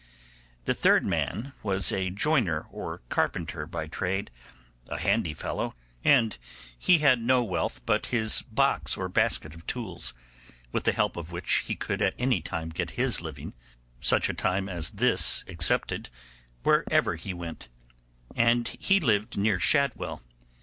The third man was a joiner or carpenter by trade, a handy fellow, and he had no wealth but his box or basket of tools, with the help of which he could at any time get his living, such a time as this excepted, wherever he went—and he lived near Shadwell.